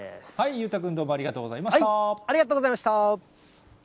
裕太君、どうもありがとうごありがとうございました。